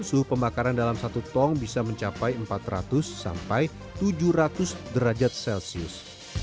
suhu pembakaran dalam satu tong bisa mencapai empat ratus sampai tujuh ratus derajat celcius